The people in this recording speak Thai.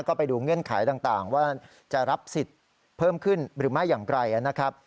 ก็ไปดูเงื่อนไขต่างว่าจะรับสิทธิ์เพิ่มขึ้นหรือไม่อย่างไรนะครับ